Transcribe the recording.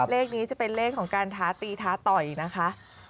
เลขนี้จะเป็นเลขของการท้าตีท้าต่อยนะคะ